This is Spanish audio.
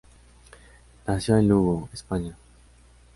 Nació en Lugo, España.